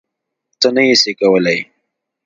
ته یی نه سی کولای